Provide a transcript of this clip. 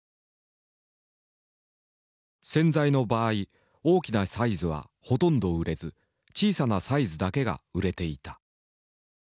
洗剤の場合大きなサイズはほとんど売れず小さなサイズだけが売れていた。